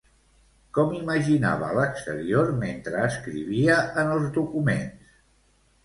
Com imaginava l'exterior mentre escrivia en els documents?